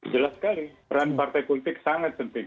jelas sekali peran partai politik sangat penting